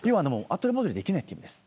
後戻りはできないという意味です。